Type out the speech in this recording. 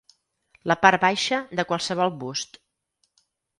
La part baixa de qualsevol bust.